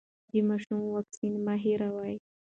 د ماشوم واکسین مه هېروئ.